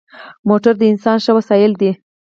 موټر د انسان ښه وسایل دی.